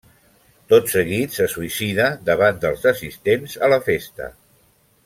Tot seguit se suïcida davant dels assistents a la festa.